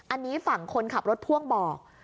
อันนี้ฝั่งคนขับรถพ่วงบอก